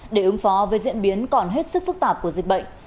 để ứng phó với diễn biến còn hết sức phức tạp của dịch bệnh